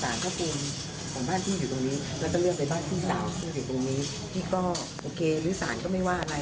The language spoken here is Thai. เราจะเลือกไปบ้านพี่สาวที่ก็โอเครู้สารก็ไม่ว่าอะไร